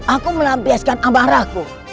aku melampiaskan amarahku